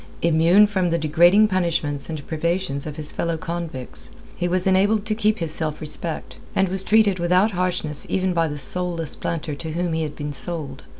Immune from the degrading punishments and privations of his fellow convicts, he was enabled to keep his self respect, and was treated without harshness even by the soulless planter to whom he had been sold.